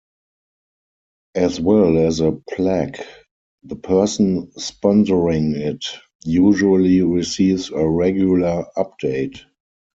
As well as a plaque, the person sponsoring it usually receives a regular update.